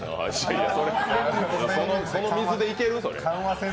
その水でいける？